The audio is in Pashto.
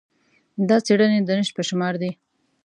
دا څېړنې د نشت په شمار دي.